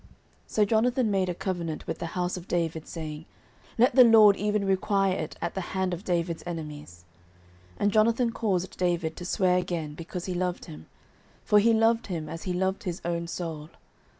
09:020:016 So Jonathan made a covenant with the house of David, saying, Let the LORD even require it at the hand of David's enemies. 09:020:017 And Jonathan caused David to swear again, because he loved him: for he loved him as he loved his own soul.